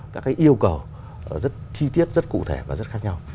các cái yêu cầu rất chi tiết rất cụ thể và rất khác nhau